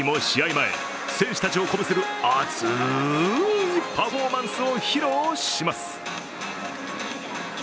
前、選手たちを鼓舞する熱いパフォーマンスを披露します。